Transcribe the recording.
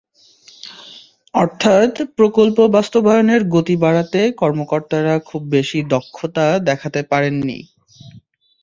অর্থাৎ প্রকল্প বাস্তবায়নের গতি বাড়াতে কর্মকর্তারা খুব বেশি দক্ষতা দেখাতে পারেননি।